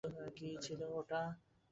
কী ছিল ওটা?